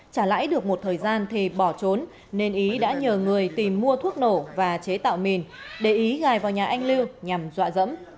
trả lãi được một thời gian thì bỏ trốn nên ý đã nhờ người tìm mua thuốc nổ và chế tạo mìn để ý gài vào nhà anh lư nhằm dọa dẫm